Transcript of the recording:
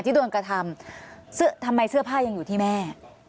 ที่โดนกระทำทำไมเสื้อผ้ายังอยู่ที่แม่